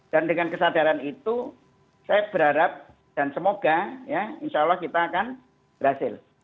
dan dengan kesadaran itu saya berharap dan semoga ya insya allah kita akan berhasil